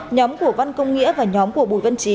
nhóm của văn công nghĩa và nhóm của bùi văn trí